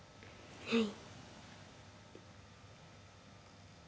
はい。